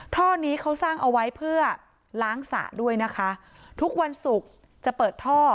ท่อนี้เขาสร้างเอาไว้เพื่อล้างสระด้วยนะคะทุกวันศุกร์จะเปิดท่อ